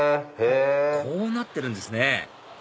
こうなってるんですね